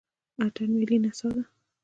اتن ملي نڅا ده